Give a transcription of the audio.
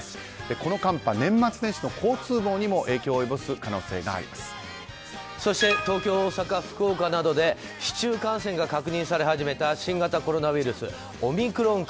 この寒波、年末年始の交通網にもそして東京、大阪、福岡などで市中感染が確認され始めた新型コロナウイルスオミクロン株。